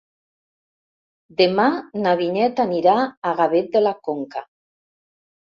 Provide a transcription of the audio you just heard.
Demà na Vinyet anirà a Gavet de la Conca.